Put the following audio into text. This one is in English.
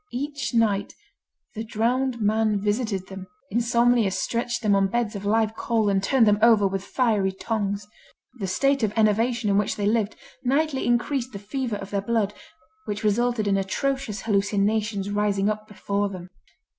Each night, the drowned man visited them, insomnia stretched them on beds of live coal and turned them over with fiery tongs. The state of enervation in which they lived, nightly increased the fever of their blood, which resulted in atrocious hallucinations rising up before them.